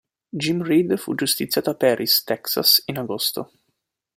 Jim Reed fu giustiziato a Paris, Texas, in agosto.